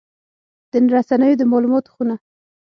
د رسنیو د مالوماتو خونه